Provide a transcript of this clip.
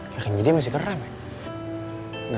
kayaknya dia masih keram ya